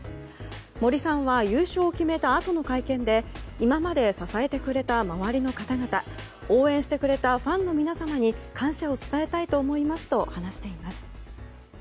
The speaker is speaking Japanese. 森さんは優勝を決めたあとの会見で今まで支えてくれた周りの方々応援してくれたファンの皆様に感謝を伝えたいと思いますと話しています。